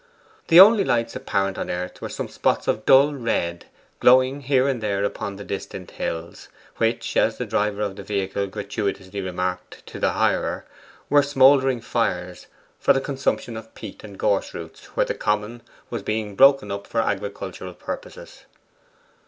The only lights apparent on earth were some spots of dull red, glowing here and there upon the distant hills, which, as the driver of the vehicle gratuitously remarked to the hirer, were smouldering fires for the consumption of peat and gorse roots, where the common was being broken up for agricultural purposes.